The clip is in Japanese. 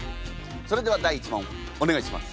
それでは第１問お願いします。